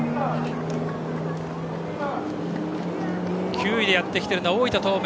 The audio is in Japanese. ９位でやってきているのは大分東明。